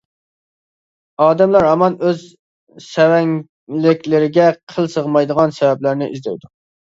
ئادەملەر ھامان ئۆز سەۋەنلىكلىرىگە قىل سىغمايدىغان سەۋەبلەرنى ئىزدەيدۇ.